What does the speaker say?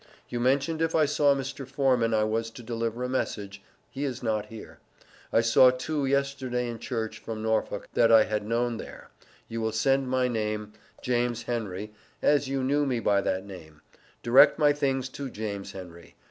You mentioned if I saw Mr. Foreman. I was to deliver a message he is not here. I saw two yesterday in church, from Norfolk, that I had known there. You will send my name, James Henry, as you knew me by that name; direct my things to James Henry.